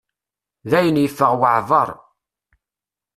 Dayen yeffeɣ waɛbar.